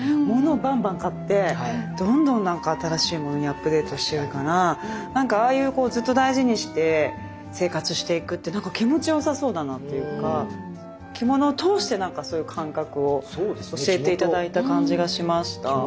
物をばんばん買ってどんどん何か新しいものにアップデートしてるから何かああいうずっと大事にして生活していくって何か気持ちよさそうだなっていうか着物を通してそういう感覚を教えて頂いた感じがしました。